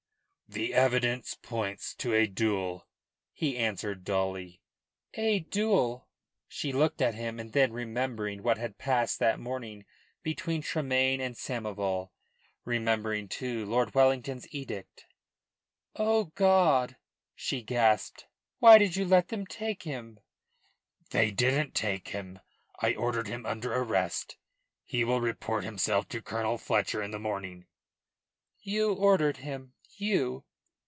"The evidence points to a duel," he answered dully. "A duel!" She looked at him, and then, remembering what had passed that morning between Tremayne and Samoval, remembering, too, Lord Wellington's edict, "Oh, God!" she gasped. "Why did you let them take him?" "They didn't take him. I ordered him under arrest. He will report himself to Colonel Fletcher in the morning." "You ordered him? You!